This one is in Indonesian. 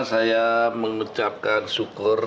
saya mengucapkan syukur